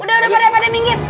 udah udah pada pada minggir